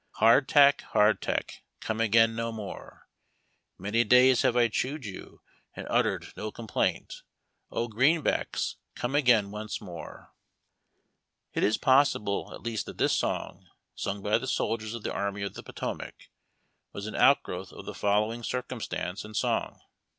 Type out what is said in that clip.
Hardtack, hardtack, come again no more ; Many days have I chewed you and uttered no complaint, O Greenbacks, come again once more I It is possible at least that tliis song, sung by the soldiers of the Army of the Potomac, was an outgrowth of the fol lowing circumstance and song.